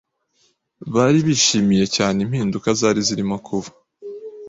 Bari bishimiye cyane impinduka zari zirimo kuba